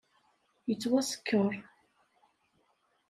Yettwasker.